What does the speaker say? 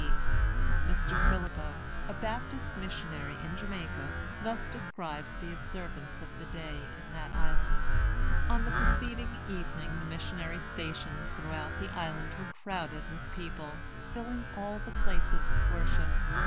Phillippo, a Baptist missionary in Jamaica, thus describes the observance of the day in that island: "On the preceding evening, the missionary stations throughout the island were crowded with people, filling all the places of worship.